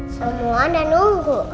semua ada nunggu